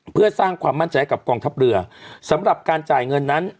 เพื่อสร้างความมั่นใจให้กับกองทัพเรือสำหรับการจ่ายเงินนั้น